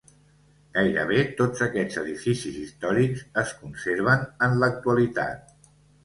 Gairebé tots aquests edificis històrics es conserven en l'actualitat.